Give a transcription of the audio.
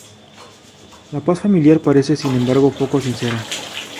La paz familiar parece, sin embargo, poco sincera.